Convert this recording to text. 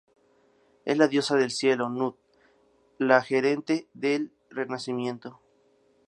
Es la diosa del cielo, Nut, la garante del renacimiento.